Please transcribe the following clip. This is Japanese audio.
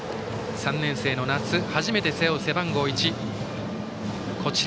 ３年生の夏初めて背負う背番号１。